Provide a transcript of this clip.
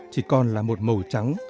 chỉ còn là một màu trắng